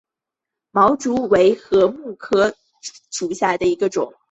笔竹为禾本科茶秆竹属下的一个种。